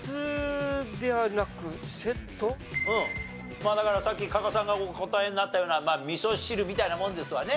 まあだからさっき加賀さんがお答えになったような味噌汁みたいなもんですわね。